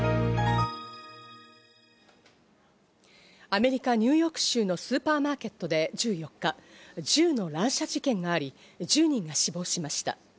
アメリカ・ニューヨーク州のスーパーマーケットで１４日、銃の乱射事件があり、１０人が死亡しました。